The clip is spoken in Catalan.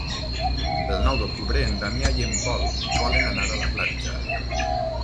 El nou d'octubre en Damià i en Pol volen anar a la platja.